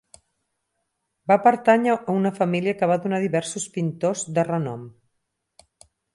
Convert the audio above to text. Va pertànyer a una família que va donar diversos pintors de renom.